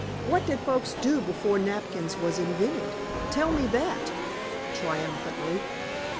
What did folks do before napkins was invented? Tell me that!" triumphantly.